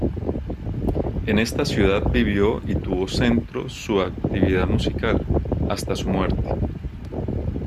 En esta ciudad vivió y tuvo centro su actividad musical, hasta su muerte.